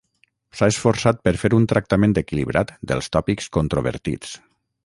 S'ha esforçat per fer un tractament equilibrat dels tòpics controvertits.